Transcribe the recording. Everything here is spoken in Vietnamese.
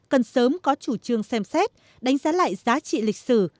cần sớm có chủ trương xem xét đánh giá lại giá trị lịch sử